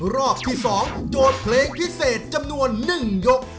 รอบที่๒โจทย์เพลงพิเศษจำนวน๑ยก